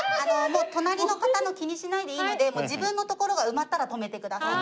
もう隣の方の気にしないでいいので自分の所が埋まったら止めてください。